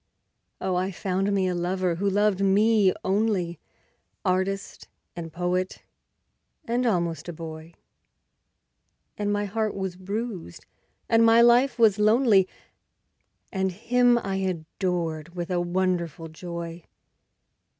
Oh, I found me a lover who loved me only, Artist and poet, and almost a boy. And my heart was bruised, and my life was lonely, And him I adored with a wonderful joy.